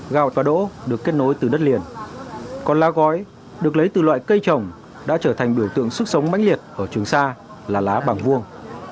gạo và đỗ được kết nối từ đất liền còn lá gói được lấy từ loại cây trồng đã trở thành biểu tượng sức sống bánh liệt ở trường xa là lá bàng vuông